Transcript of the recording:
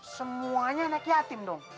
semuanya anak yatim dong